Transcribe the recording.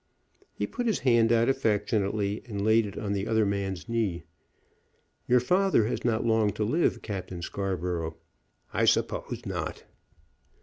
He put his hand out affectionately and laid it on the other man's knee. "Your father has not long to live, Captain Scarborough." "I suppose not."